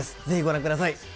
ぜひご覧ください。